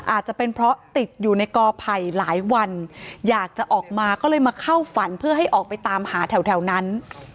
อาจจะเป็นเพราะติดอยู่ในกอไผ่หลายวันอยากจะออกมาก็เลยมาเข้าฝันเพื่อให้ออกไปตามหาแถวนั้น